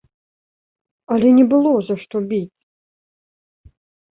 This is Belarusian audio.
Але не было за што біць.